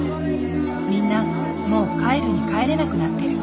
みんなもう帰るに帰れなくなってる。